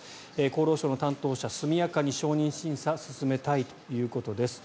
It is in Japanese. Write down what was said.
厚労省の担当者速やかに承認審査を進めたいということです。